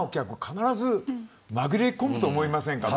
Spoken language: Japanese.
必ず紛れ込むと思いませんか。